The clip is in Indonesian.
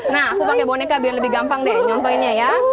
nah aku pakai boneka biar lebih gampang deh nyontoinnya ya